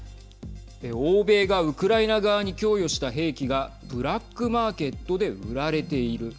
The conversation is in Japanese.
欧米がウクライナ側に供与した兵器がブラックマーケットで売られている。